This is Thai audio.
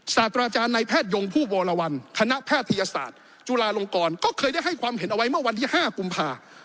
ศาสตราจารย์ในแพทยงผู้วรวรรณคณะแพทยศาสตร์จุฬาลงกรก็เคยได้ให้ความเห็นเอาไว้เมื่อวันที่๕กุมภา